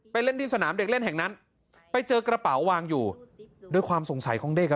เล่นที่สนามเด็กเล่นแห่งนั้นไปเจอกระเป๋าวางอยู่ด้วยความสงสัยของเด็ก